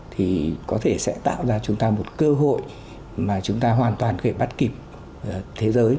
thì có thể sẽ tạo ra chúng ta một cơ hội mà chúng ta hoàn toàn có thể bắt kịp thế giới